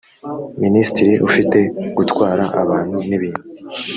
minisitiri ufite gutwara abantu n ibintu